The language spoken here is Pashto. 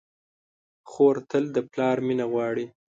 خور تل د پلار مینه غواړي.